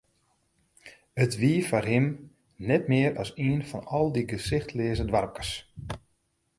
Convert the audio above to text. It wie foar him net mear as ien fan al dy gesichtleaze doarpkes.